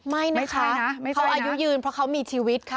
ไม่นะคะเขาอายุยืนเพราะเขามีชีวิตค่ะ